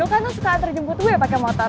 lo kan tuh suka antre jemput gue pakai motor